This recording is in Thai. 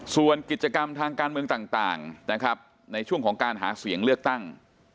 ส่วนกิจกรรมทางการเมืองต่างนะครับในช่วงของการหาเสียงเลือกตั้ง